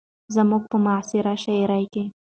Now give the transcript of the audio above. زموږ په معاصره شاعرۍ کې